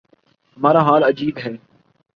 ہمارا حال عجیب ہے۔